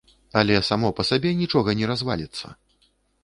Але само па сабе нічога не разваліцца.